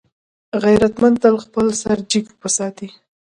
غیرتمند تل خپل سر جګ وساتي